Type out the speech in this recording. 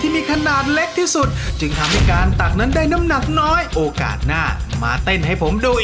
ไป